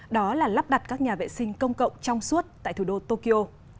đó là lắp đặt các nhà vệ sinh công cộng trong suốt tại thủ đô tokyo